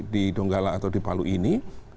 di donggala atau di palu ini